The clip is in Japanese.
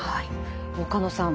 岡野さん